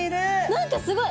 何かすごい！